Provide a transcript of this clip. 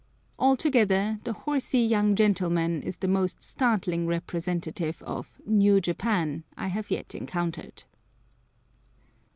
Altogether the horsey young gentleman is the most startling representative of "New Japan" I have yet encountered.